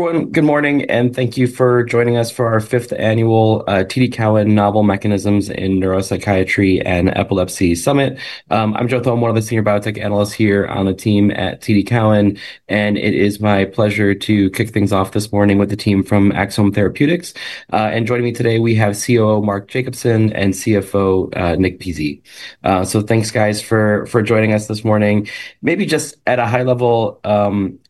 Everyone, good morning and thank you for joining us for our fifth annual TD Cowen Novel Mechanisms in Neuropsychiatry and Epilepsy Summit. I'm Joe Thelmore, the Senior Biotech Analyst here on the team at TD Cowen, and it is my pleasure to kick things off this morning with the team from Axsome Therapeutics. Joining me today, we have Chief Operating Officer Mark Jacobson and Chief Financial Officer Nick Pizzie. Thanks, guys, for joining us this morning. Maybe just at a high level,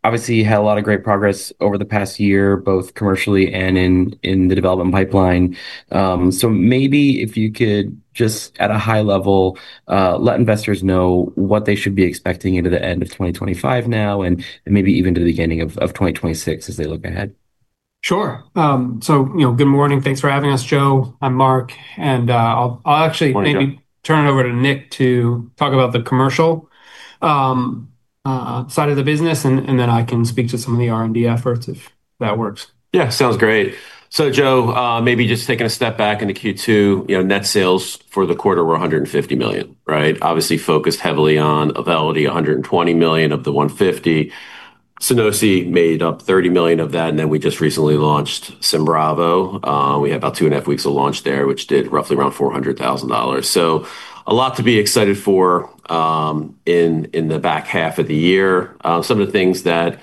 obviously you had a lot of great progress over the past year, both commercially and in the development pipeline. If you could just, at a high level, let investors know what they should be expecting at the end of 2025 now and maybe even to the beginning of 2026 as they look ahead. Sure. Good morning. Thanks for having us, Joe. I'm Mark, and I'll actually maybe turn it over to Nick to talk about the commercial side of the business, and then I can speak to some of the R&D efforts if that works. Yeah, sounds great. Joe, maybe just taking a step back into Q2, net sales for the quarter were $150 million, right? Obviously focused heavily on Auvelity, $120 million of the $150 million. Sanofi made up $30 million of that, and then we just recently launched Symbravo. We had about two and a half weeks of launch there, which did roughly around $400,000. A lot to be excited for in the back half of the year. Some of the things that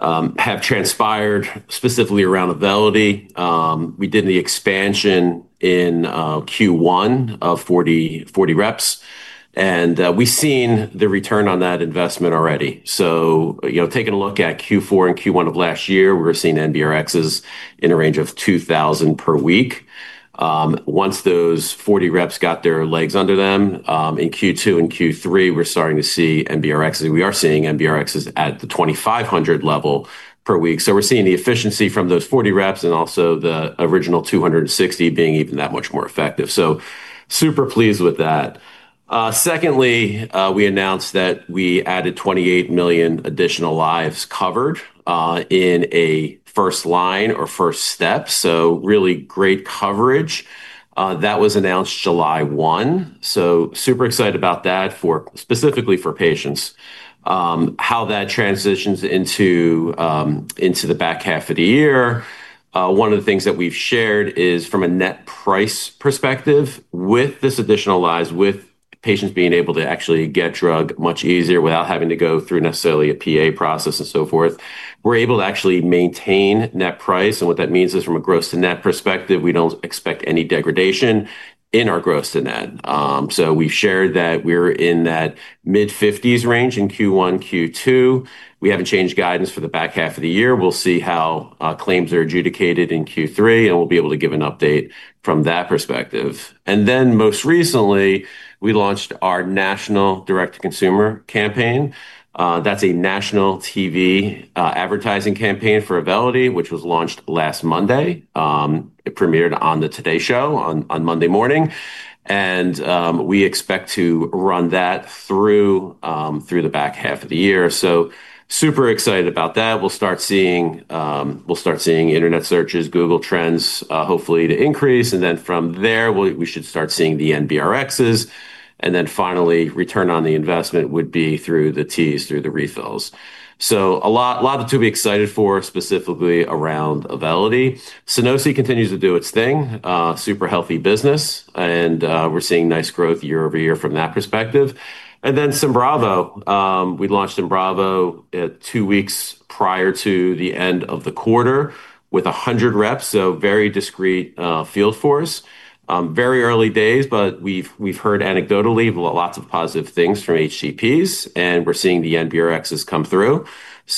have transpired specifically around Auvelity, we did the expansion in Q1 of 40 reps, and we've seen the return on that investment already. Taking a look at Q4 and Q1 of last year, we're seeing MBRXs in a range of 2,000 per week. Once those 40 reps got their legs under them in Q2 and Q3, we're starting to see MBRXs. We are seeing MBRXs at the 2,500 level per week. We're seeing the efficiency from those 40 reps and also the original 260 being even that much more effective. Super pleased with that. Secondly, we announced that we added 28 million additional lives covered in a first line or first step. Really great coverage. That was announced July 1. Super excited about that specifically for patients. How that transitions into the back half of the year, one of the things that we've shared is from a net price perspective, with this additional lives, with patients being able to actually get drug much easier without having to go through necessarily a PA process and so forth, we're able to actually maintain net price. What that means is from a gross to net perspective, we don't expect any degradation in our gross to net. We've shared that we're in that mid-50% range in Q1, Q2. We haven't changed guidance for the back half of the year. We'll see how claims are adjudicated in Q3, and we'll be able to give an update from that perspective. Most recently, we launched our national direct-to-consumer campaign. That's a national TV advertising campaign for Auvelity, which was launched last Monday. It premiered on the Today Show on Monday morning. We expect to run that through the back half of the year. Super excited about that. We'll start seeing internet searches, Google Trends, hopefully to increase. From there, we should start seeing the MBRXs. Finally, return on the investment would be through the Ts, through the refills. A lot to be excited for specifically around Auvelity. Sanofi continues to do its thing, super healthy business. We're seeing nice growth year over year from that perspective. Symbravo, we launched Symbravo two weeks prior to the end of the quarter with 100 reps. Very discrete field force, very early days, but we've heard anecdotally lots of positive things from HCPs, and we're seeing the MBRXs come through.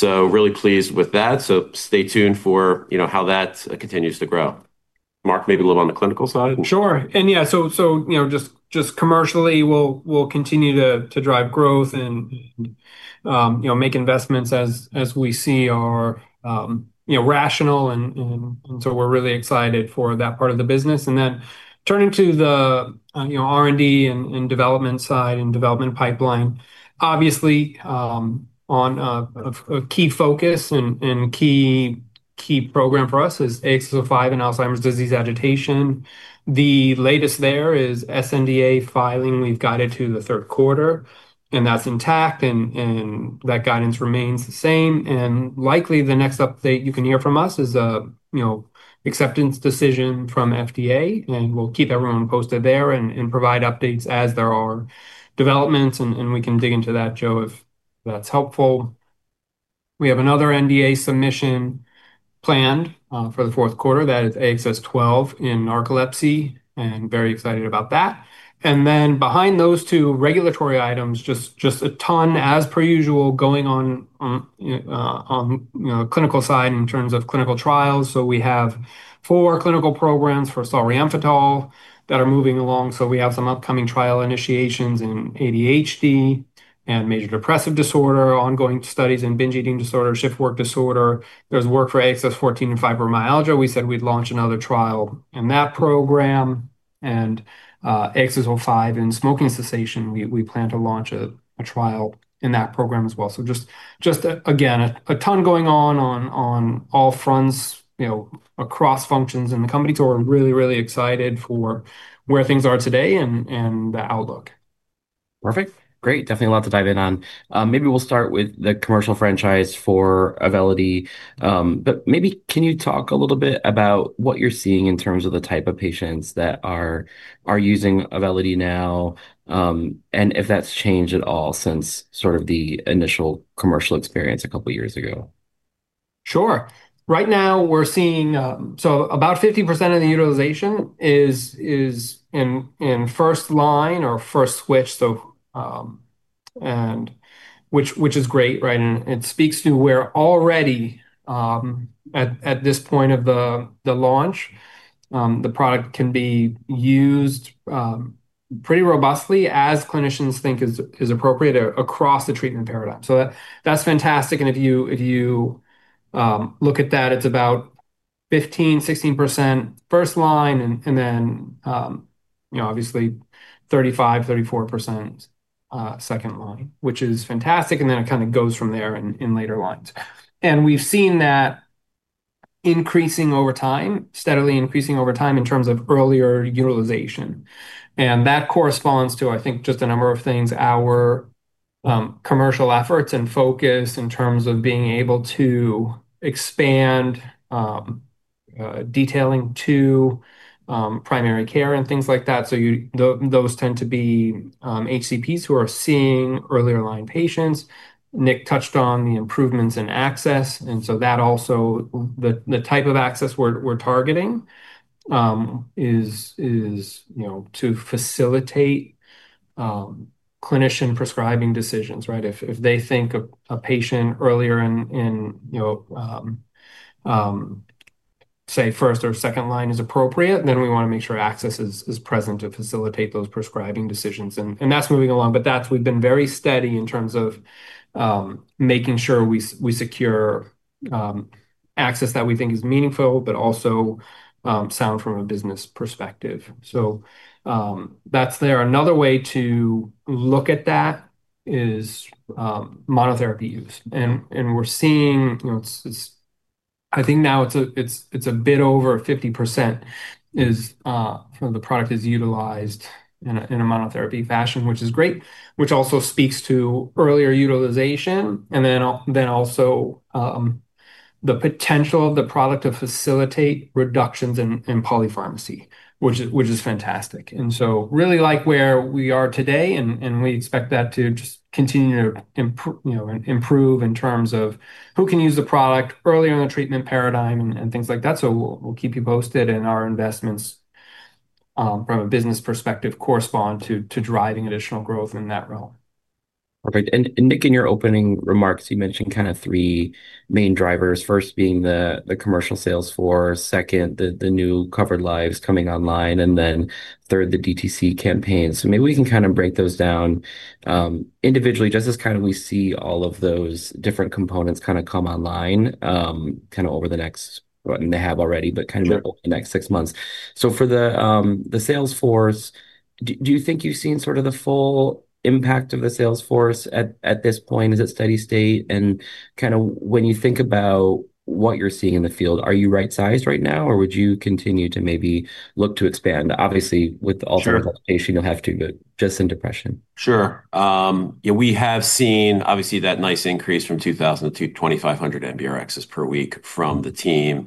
Really pleased with that. Stay tuned for how that continues to grow. Mark, maybe a little on the clinical side. Sure. Yeah, just commercially, we'll continue to drive growth and make investments as we see are rational. We're really excited for that part of the business. Turning to the R&D and development side and development pipeline, obviously a key focus and key program for us is AXS-05 in Alzheimer’s disease agitation. The latest there is sNDA filing. We've got it to the third quarter, and that's intact, and that guidance remains the same. Likely the next update you can hear from us is an acceptance decision from FDA, and we'll keep everyone posted there and provide updates as there are developments, and we can dig into that, Joe, if that's helpful. We have another NDA submission planned for the fourth quarter. That is AXS-12 in narcolepsy, and very excited about that. Behind those two regulatory items, just a ton as per usual going on on the clinical side in terms of clinical trials. We have four clinical programs for Sunosi that are moving along. We have some upcoming trial initiations in ADHD and major depressive disorder, ongoing studies in binge eating disorder and shift work disorder. There's work for AXS-14 in fibromyalgia. We said we'd launch another trial in that program. AXS-05 in smoking cessation, we plan to launch a trial in that program as well. Just again, a ton going on on all fronts, you know, across functions in the company. We're really, really excited for where things are today and the outlook. Perfect. Great. Definitely a lot to dive in on. Maybe we'll start with the commercial franchise for Auvelity, but maybe can you talk a little bit about what you're seeing in terms of the type of patients that are using Auvelity now and if that's changed at all since sort of the initial commercial experience a couple of years ago. Sure. Right now we're seeing about 50% of the utilization is in first line or first switch, which is great, right? It speaks to where already at this point of the launch, the product can be used pretty robustly as clinicians think is appropriate across the treatment paradigm. That's fantastic. If you look at that, it's about 15%, 16% first line, and then obviously 35%, 34% second line, which is fantastic. It kind of goes from there in later lines. We've seen that increasing over time, steadily increasing over time in terms of earlier utilization. That corresponds to, I think, just a number of things, our commercial efforts and focus in terms of being able to expand detailing to primary care and things like that. Those tend to be HCPs who are seeing earlier line patients. Nick touched on the improvements in access. The type of access we're targeting is to facilitate clinician prescribing decisions, right? If they think a patient earlier in, say, first or second line is appropriate, then we want to make sure access is present to facilitate those prescribing decisions. That's moving along. We've been very steady in terms of making sure we secure access that we think is meaningful, but also sound from a business perspective. That's there. Another way to look at that is monotherapy use. We're seeing, I think now it's a bit over 50% of the product is utilized in a monotherapy fashion, which is great, which also speaks to earlier utilization. Also the potential of the product to facilitate reductions in polypharmacy, which is fantastic. I really like where we are today, and we expect that to just continue to improve in terms of who can use the product earlier in the treatment paradigm and things like that. We'll keep you posted in our investments from a business perspective correspond to driving additional growth in that realm. Perfect. Nick, in your opening remarks, you mentioned kind of three main drivers, first being the commercial sales force, second the new covered lives coming online, and then third the DTC campaigns. Maybe we can break those down individually, just as we see all of those different components come online over the next, and they have already, but over the next six months. For the sales force, do you think you've seen sort of the full impact of the sales force at this point? Is it steady state? When you think about what you're seeing in the field, are you right-sized right now, or would you continue to maybe look to expand? Obviously, with all sorts of application, you'll have to, but just in depression. Sure. Yeah, we have seen obviously that nice increase from 2,000 to 2,500 MBRXs per week from the team.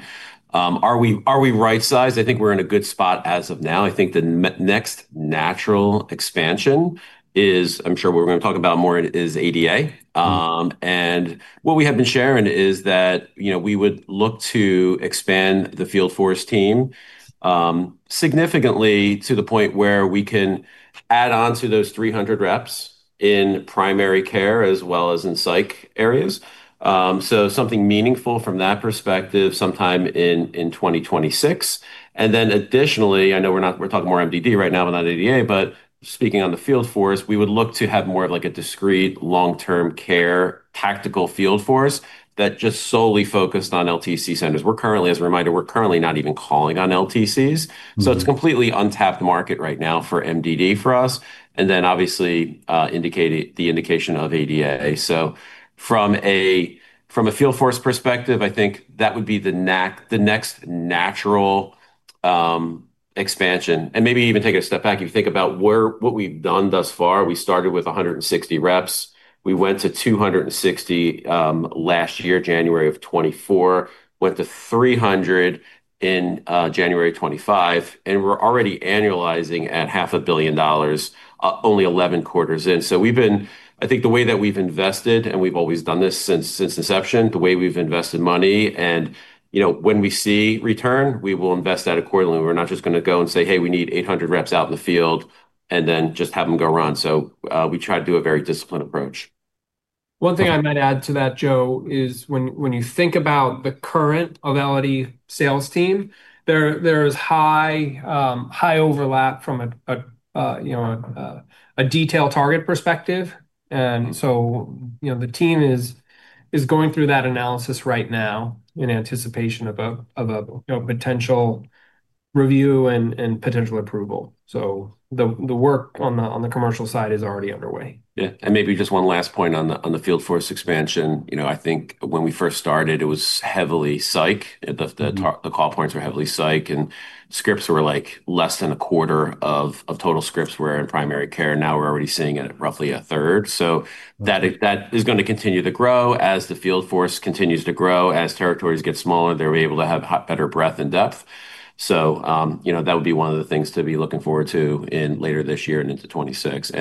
Are we right-sized? I think we're in a good spot as of now. I think the next natural expansion is, I'm sure we're going to talk about more, is ADA. What we have been sharing is that we would look to expand the field force team significantly to the point where we can add on to those 300 reps in primary care as well as in psych areas. Something meaningful from that perspective sometime in 2026. Additionally, I know we're talking more MDD right now, not ADA, but speaking on the field force, we would look to have more of a discrete long-term care tactical field force that just solely focused on LTC centers. We're currently, as a reminder, not even calling on LTCs. It's a completely untapped market right now for MDD for us. Obviously, the indication of ADA. From a field force perspective, I think that would be the next natural expansion. Maybe even take a step back. If you think about what we've done thus far, we started with 160 reps. We went to 260 last year, January of 2024, went to 300 in January of 2025, and we're already annualizing at half a billion dollars, only 11 quarters in. The way that we've invested, and we've always done this since inception, the way we've invested money, and you know when we see return, we will invest that accordingly. We're not just going to go and say, hey, we need 800 reps out in the field and then just have them go run. We try to do a very disciplined approach. One thing I might add to that, Joe, is when you think about the current Auvelity sales team, there's high overlap from a detail target perspective. The team is going through that analysis right now in anticipation of a potential review and potential approval. The work on the commercial side is already underway. Yeah, and maybe just one last point on the field force expansion. I think when we first started, it was heavily psych. The call points were heavily psych, and scripts were like less than a quarter of total scripts were in primary care. Now we're already seeing it at roughly a third. That is going to continue to grow as the field force continues to grow. As territories get smaller, they'll be able to have better breadth and depth. That would be one of the things to be looking forward to in later this year and into 2026.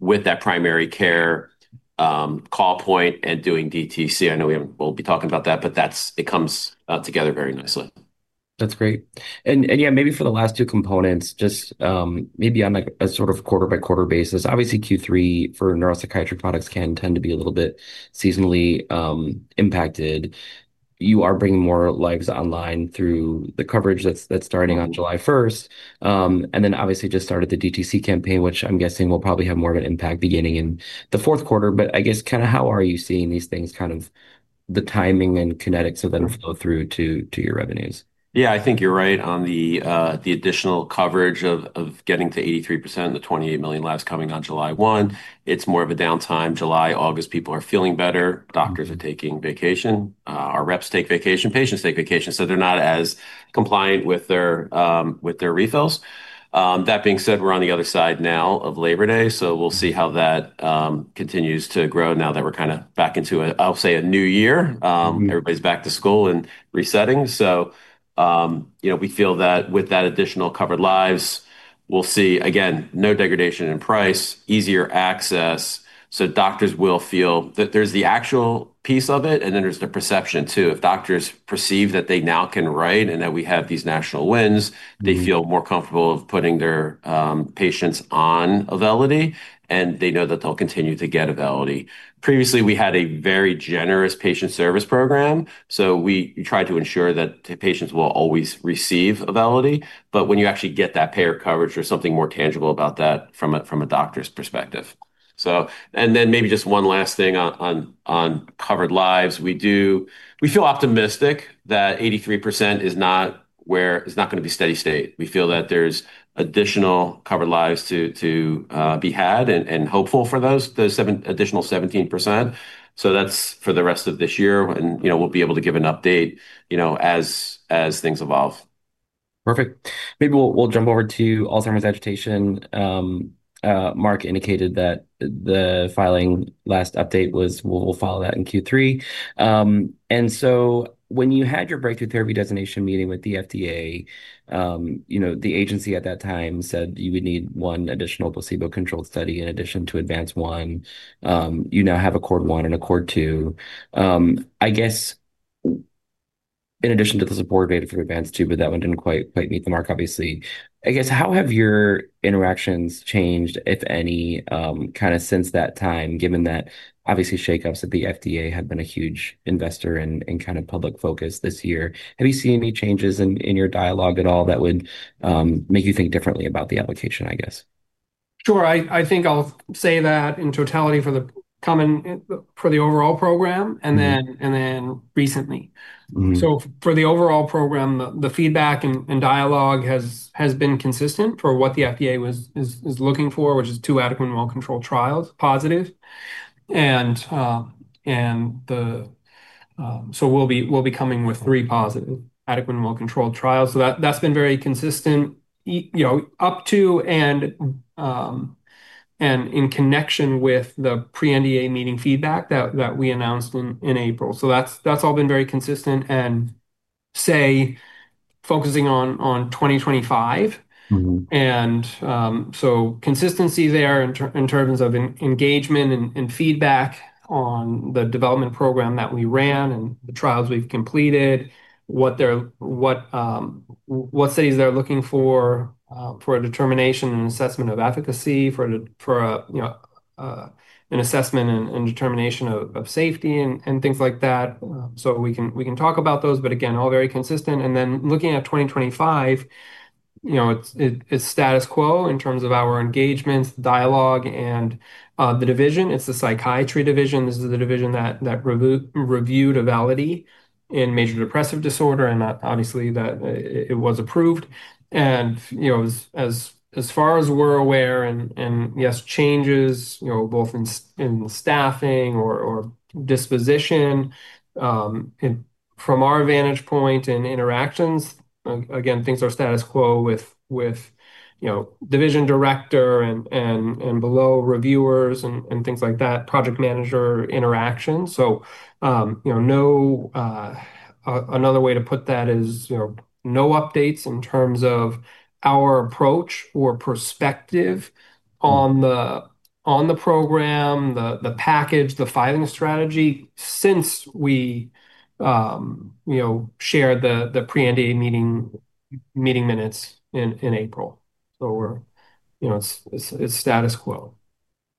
With that primary care call point and doing direct-to-consumer, I know we'll be talking about that, but that comes together very nicely. That's great. Maybe for the last two components, just maybe on a sort of quarter-by-quarter basis, obviously Q3 for neuropsychiatric products can tend to be a little bit seasonally impacted. You are bringing more lives online through the coverage that's starting on July 1. Obviously, just started the direct-to-consumer campaign, which I'm guessing will probably have more of an impact beginning in the fourth quarter. I guess kind of how are you seeing these things, kind of the timing and kinetics of them flow through to your revenues? Yeah, I think you're right on the additional coverage of getting to 83% and the 28 million lives coming on July 1. It's more of a downtime. July, August, people are feeling better. Doctors are taking vacation. Our reps take vacation. Patients take vacation. They're not as compliant with their refills. That being said, we're on the other side now of Labor Day. We'll see how that continues to grow now that we're kind of back into, I'll say, a new year. Everybody's back to school and resetting. We feel that with that additional covered lives, we'll see, again, no degradation in price, easier access. Doctors will feel that there's the actual piece of it, and then there's the perception too. If doctors perceive that they now can write and that we have these national wins, they feel more comfortable putting their patients on Auvelity, and they know that they'll continue to get Auvelity. Previously, we had a very generous patient service program. We try to ensure that patients will always receive Auvelity. When you actually get that payer coverage, there's something more tangible about that from a doctor's perspective. Maybe just one last thing on covered lives. We do, we feel optimistic that 83% is not where, it's not going to be steady state. We feel that there's additional covered lives to be had and hopeful for those additional 17%. That's for the rest of this year, and we'll be able to give an update as things evolve. Perfect. Maybe we'll jump over to Alzheimer's disease agitation. Mark indicated that the filing last update was, we'll follow that in Q3. When you had your breakthrough therapy designation meeting with the FDA, the agency at that time said you would need one additional placebo-controlled study in addition to ADVANCE-1. You now have ACCORD-1 and ACCORD-2, I guess in addition to the support of AID for ADVANCE-2, but that one didn't quite meet the mark, obviously. How have your interactions changed, if any, since that time, given that obviously shakeups at the FDA have been a huge investor and public focus this year? Have you seen any changes in your dialogue at all that would make you think differently about the allocation, I guess? Sure. I think I'll say that in totality for the coming for the overall program and then recently. For the overall program, the feedback and dialogue has been consistent for what the FDA is looking for, which is two adequate and well-controlled trials, positive. We'll be coming with three positive adequate and well-controlled trials. That's been very consistent up to and in connection with the pre-NDA meeting feedback that we announced in April. That's all been very consistent and say focusing on 2025. Consistency there in terms of engagement and feedback on the development program that we ran and the trials we've completed, what studies they're looking for for a determination and assessment of efficacy, for an assessment and determination of safety and things like that. We can talk about those, but again, all very consistent. Looking at 2025, you know it's status quo in terms of our engagements, dialogue, and the division. It's the psychiatry division. This is the division that reviewed Auvelity in major depressive disorder, and that obviously it was approved. As far as we're aware, and yes, changes you know both in staffing or disposition, from our vantage point and interactions, again, things are status quo with you know division director and below reviewers and things like that, project manager interactions. Another way to put that is you know no updates in terms of our approach or perspective on the program, the package, the filing strategy since we you know shared the pre-NDA meeting minutes in April. We're, you know it's status quo.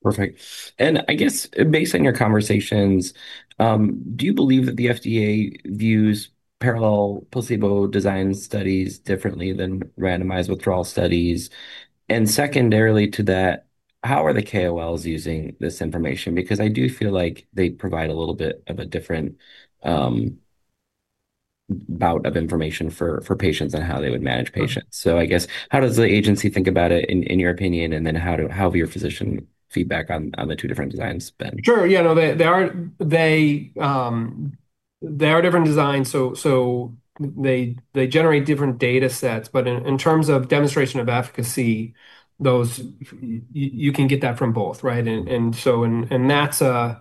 Perfect. I guess based on your conversations, do you believe that the FDA views parallel placebo design studies differently than randomized withdrawal studies? Secondarily to that, how are the KOLs using this information? I do feel like they provide a little bit of a different bout of information for patients and how they would manage patients. I guess how does the agency think about it in your opinion? How have your physician feedback on the two different designs been? Sure. Yeah, no, they are different designs. They generate different data sets. In terms of demonstration of efficacy, you can get that from both, right? That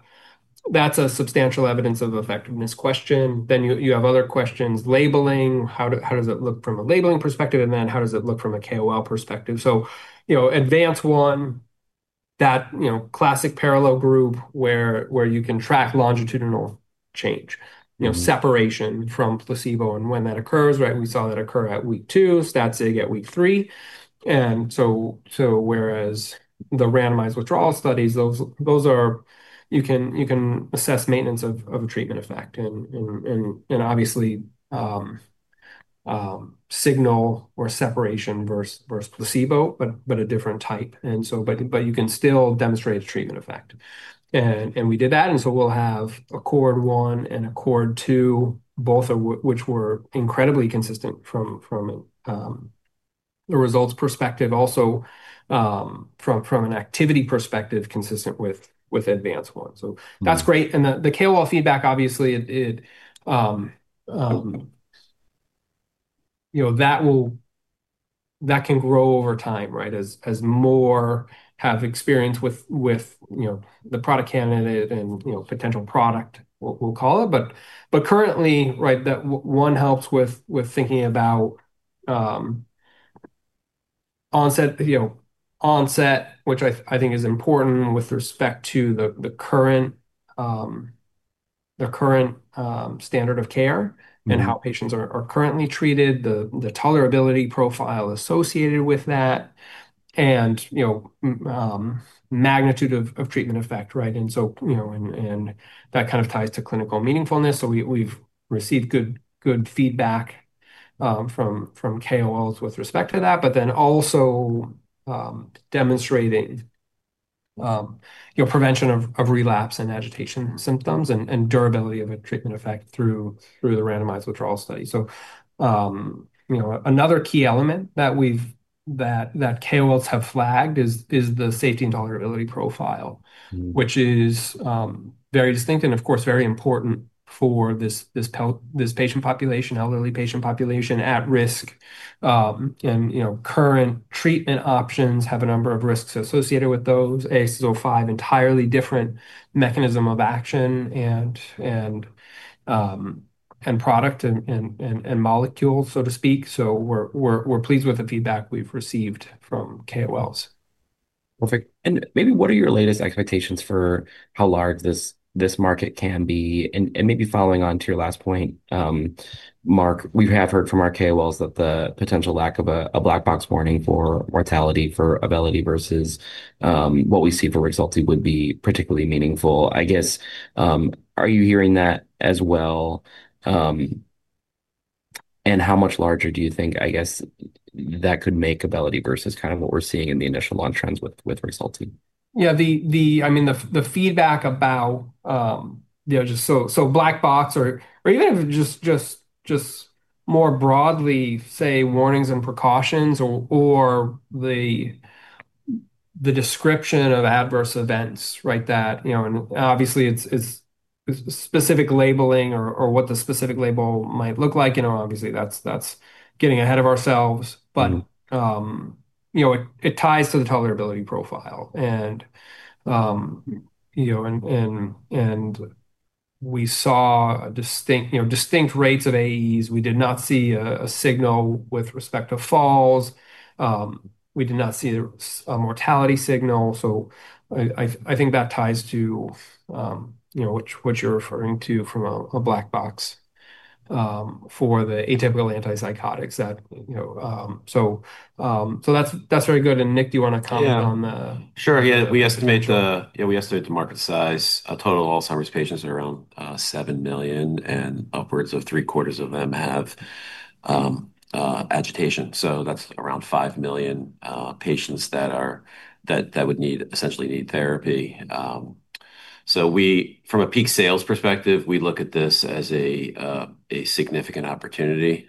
is a substantial evidence of effectiveness question. Then you have other questions, labeling. How does it look from a labeling perspective? How does it look from a KOL perspective? Advance one, that classic parallel group where you can track longitudinal change, separation from placebo and when that occurs, right? We saw that occur at week two, stat sig at week three. Whereas the randomized withdrawal studies, those are where you can assess maintenance of a treatment effect and obviously signal or separation versus placebo, but a different type. You can still demonstrate a treatment effect. We did that. We will have a core one and a core two, both of which were incredibly consistent from a results perspective, also from an activity perspective, consistent with advance one. That is great. The KOL feedback, obviously, that can grow over time, right? As more have experience with the product candidate and potential product, we will call it. Currently, that one helps with thinking about onset, which I think is important with respect to the current standard of care and how patients are currently treated, the tolerability profile associated with that, and magnitude of treatment effect, right? That kind of ties to clinical meaningfulness. We have received good feedback from KOLs with respect to that, but also demonstrating prevention of relapse and agitation symptoms and durability of a treatment effect through the randomized withdrawal study. Another key element that KOLs have flagged is the safety and tolerability profile, which is very distinct and of course very important for this patient population, elderly patient population at risk. Current treatment options have a number of risks associated with those. AXS-05, entirely different mechanism of action and product and molecules, so to speak. We are pleased with the feedback we have received from KOLs. Perfect. What are your latest expectations for how large this market can be? Following on to your last point, Mark, we have heard from our KOLs that the potential lack of a black box warning for mortality for Auvelity versus what we see for Sunosi would be particularly meaningful. I guess are you hearing that as well? How much larger do you think that could make Auvelity versus what we're seeing in the initial launch trends with Sunosi? Yeah, I mean, the feedback about, you know, just so black box or even if it's just more broadly, say, warnings and precautions or the description of adverse events, right? That, you know, and obviously it's specific labeling or what the specific label might look like. Obviously that's getting ahead of ourselves, but you know it ties to the tolerability profile. We saw distinct rates of AEs. We did not see a signal with respect to falls. We did not see a mortality signal. I think that ties to, you know, what you're referring to from a black box for the atypical antipsychotics. That's very good. Nick, do you want to comment on the? Sure. Yeah, we estimated the market size. A total of Alzheimer's patients are around 7 million, and upwards of three quarters of them have agitation. That's around 5 million patients that would essentially need therapy. From a peak sales perspective, we look at this as a significant opportunity,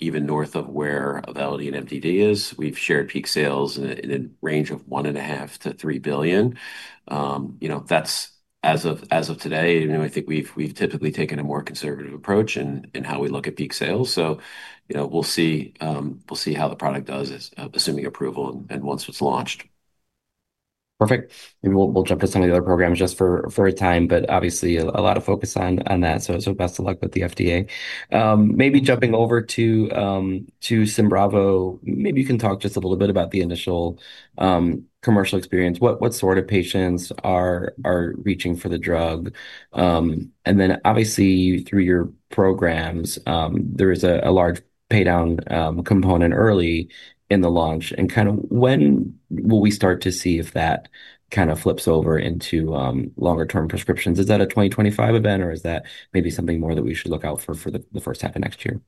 even north of where Auvelity and major depressive disorder is. We've shared peak sales in a range of $1.5 to $3 billion. That's as of today. I think we've typically taken a more conservative approach in how we look at peak sales. We'll see how the product does, assuming approval and once it's launched. Perfect. We'll jump this time to the other programs just for a time, but obviously a lot of focus on that. Best of luck with the FDA. Maybe jumping over to Symbravo, maybe you can talk just a little bit about the initial commercial experience. What sort of patients are reaching for the drug? Through your programs, there is a large pay down component early in the launch. When will we start to see if that kind of flips over into longer term prescriptions? Is that a 2025 event or is that maybe something more that we should look out for for the first half of next year?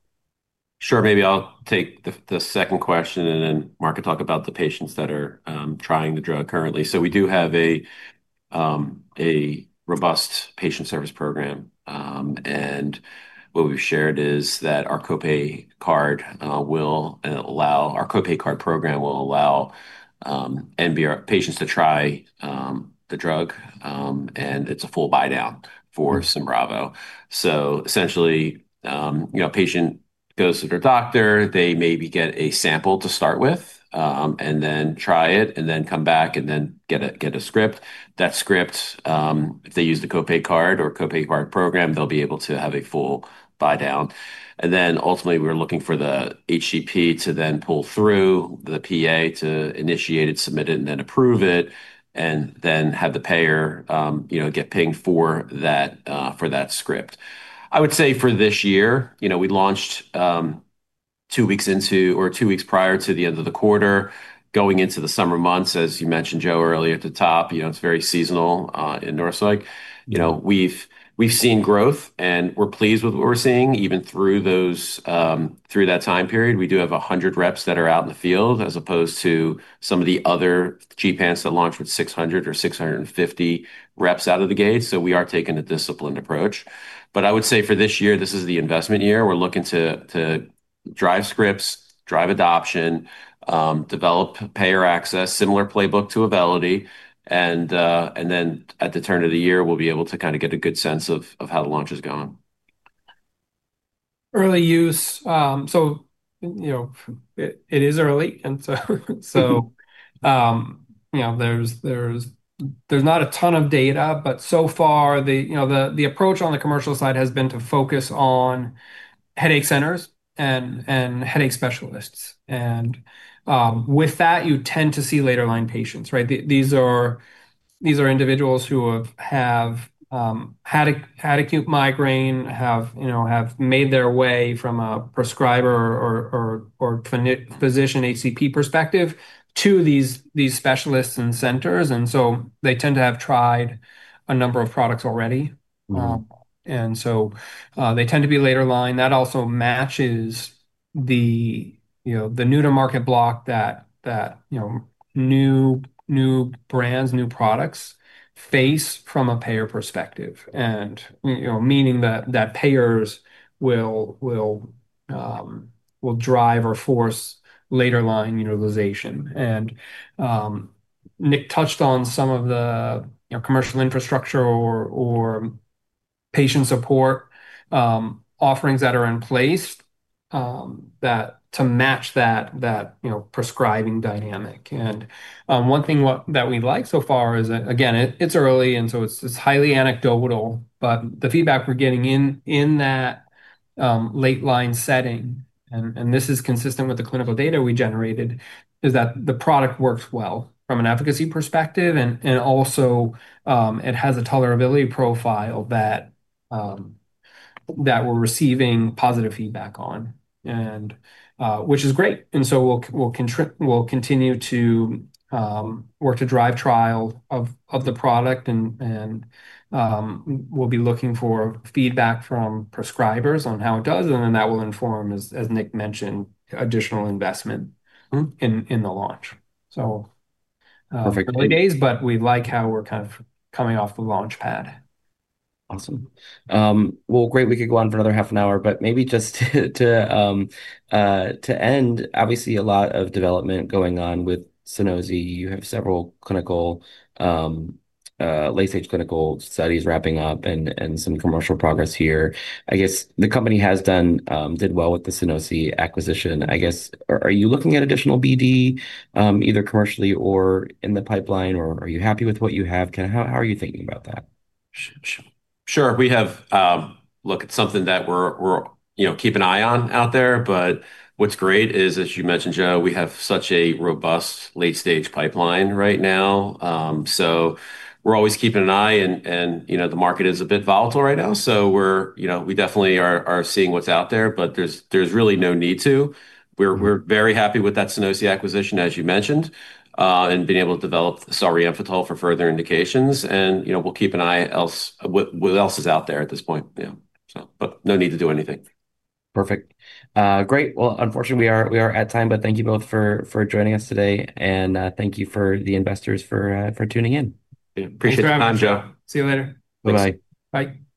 Sure, maybe I'll take the second question and then Mark can talk about the patients that are trying the drug currently. We do have a robust patient service program. What we've shared is that our copay card will allow, our copay card program will allow patients to try the drug. It's a full buy down for Symbravo. Essentially, a patient goes to their doctor, they maybe get a sample to start with and then try it and then come back and then get a script. That script, if they use the copay card or copay card program, they'll be able to have a full buy down. Ultimately, we're looking for the HCP to then pull through the PA to initiate it, submit it, and then approve it and then have the payer get pinged for that script. I would say for this year, we launched two weeks into or two weeks prior to the end of the quarter, going into the summer months. As you mentioned, Joe, earlier at the top, it's very seasonal in North. We've seen growth and we're pleased with what we're seeing even through that time period. We do have 100 reps that are out in the field as opposed to some of the other GPANs that launched with 600 or 650 reps out of the gate. We are taking a disciplined approach. I would say for this year, this is the investment year. We're looking to drive scripts, drive adoption, develop payer access, similar playbook to Auvelity. At the turn of the year, we'll be able to kind of get a good sense of how the launch is going. Early use. It is early, and there's not a ton of data, but so far, the approach on the commercial side has been to focus on headache centers and headache specialists. With that, you tend to see later line patients, right? These are individuals who have had acute migraine, have made their way from a prescriber or physician HCP perspective to these specialists and centers. They tend to have tried a number of products already, so they tend to be later line. That also matches the new to market block that new brands, new products face from a payer perspective, meaning that payers will drive or force later line utilization. Nick touched on some of the commercial infrastructure or patient support offerings that are in place to match that prescribing dynamic. One thing that we'd like so far is, again, it's early and it's highly anecdotal, but the feedback we're getting in that late line setting, and this is consistent with the clinical data we generated, is that the product works well from an efficacy perspective. It also has a tolerability profile that we're receiving positive feedback on, which is great. We will continue to work to drive trial of the product and we'll be looking for feedback from prescribers on how it does. That will inform, as Nick mentioned, additional investment in the launch. Early days, but we like how we're kind of coming off the launch pad. Awesome. Great. We could go on for another half an hour, but maybe just to end, obviously a lot of development going on with Axsome Therapeutics. You have several clinical, late-stage clinical studies wrapping up and some commercial progress here. I guess the company has done well with the Sunosi acquisition. I guess, are you looking at additional BD, either commercially or in the pipeline, or are you happy with what you have? How are you thinking about that? Sure. We have looked at something that we're keeping an eye on out there. What's great is, as you mentioned, Joe, we have such a robust late-stage pipeline right now. We're always keeping an eye, and the market is a bit volatile right now. We definitely are seeing what's out there, but there's really no need to. We're very happy with that Sanofi acquisition, as you mentioned, and being able to develop Sorienthol for further indications. We'll keep an eye on what else is out there at this point. Yeah, no need to do anything. Perfect. Great. Unfortunately, we are at time, but thank you both for joining us today, and thank you to the investors for tuning in. Appreciate the time, Joe. See you later. Bye-bye. Bye.